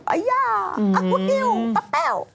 อัยย่าอักกุดิ้วปั๊บแป้ว